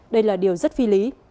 đây là điều rất phi lý